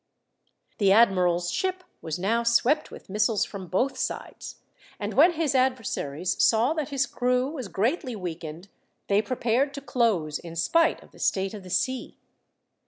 The admiral's ship was now swept with missiles from both sides, and when his adversaries saw that his crew was greatly weakened, they prepared to close, in spite of the state of the sea.